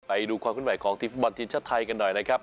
ไปดูความขึ้นไหวของทีมฟุตบอลทีมชาติไทยกันหน่อยนะครับ